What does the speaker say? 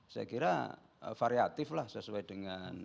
saya kira variatiflah sesuai dengan